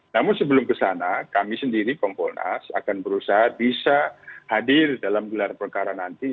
namun sebelum kesana kami sendiri kompolnas akan berusaha bisa hadir dalam gelar perkara nanti